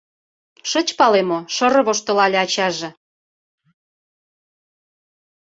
— Шыч пале мо? — шыр-р воштылале ачаже.